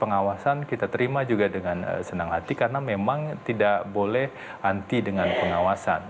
pengawasan kita terima juga dengan senang hati karena memang tidak boleh anti dengan pengawasan